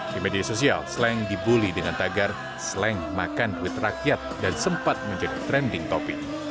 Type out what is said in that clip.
di media sosial sleng dibully dengan tagar sleng makan duit rakyat dan sempat menjadi trending topic